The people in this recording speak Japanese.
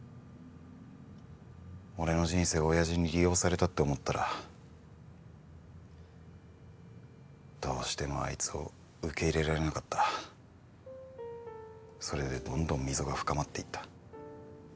俺の人生親父に利用されたって思ったらどうしてもあいつを受け入れられなかったそれでどんどん溝が深まっていった